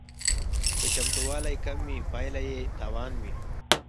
که چمتووالی کم وي پایله یې تاوان وي